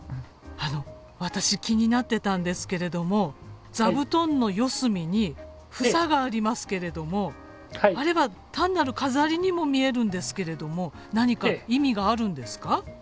あの私気になってたんですけれども座布団の四隅にふさがありますけれどもあれは単なる飾りにも見えるんですけれども何か意味があるんですか？